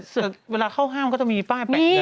แต่เวลาเข้าห้างก็จะมีป้ายแปะอย่างนี้นะครับ